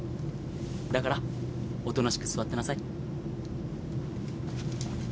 だからおとなしく座ってなさい。